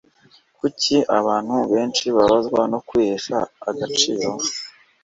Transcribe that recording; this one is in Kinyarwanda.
Kuki abantu benshi bababazwa no kwihesha agaciro?